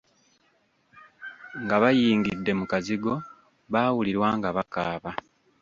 Nga bayingidde mu kazigo, baawulirwa nga bakaaba.